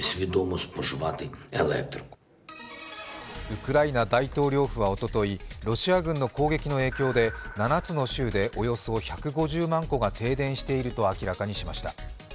ウクライナ大統領府はおととい、ロシア軍の攻撃の影響で７つの州でおよそ１５０万戸が停電していると明らかにしました。